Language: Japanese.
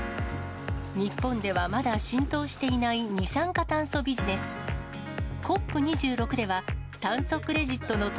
日本ではまだ浸透していない二酸化炭素ビジネス。